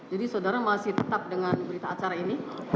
saudara masih tetap dengan berita acara ini